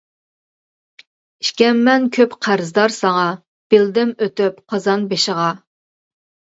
ئىكەنمەن كۆپ قەرزدار ساڭا، بىلدىم ئۆتۈپ قازان بېشىغا.